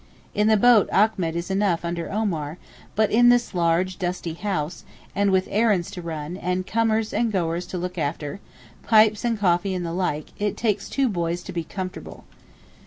In the boat Achmet is enough under Omar; but in this large dusty house, and with errands to run, and comers and goers to look after, pipes and coffee and the like, it takes two boys to be comfortable.